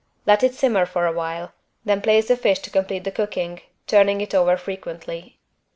Let it simmer for a while, then place the fish to complete the cooking, turning it over frequently.